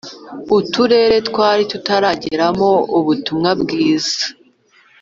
uturere twari tutarageramo ubutumwa bwiza